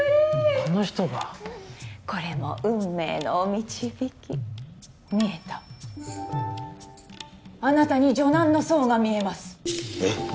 この人がこれも運命のお導き見えたあなたに女難の相が見えますえっ？